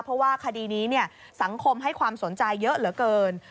เพราะว่าคดีนี้สังคมให้ความสนใจเยอะเหลือเกิน